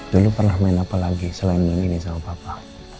dulu pernah main apa lagi selain main ini sama papa